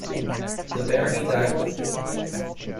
The barony died with him.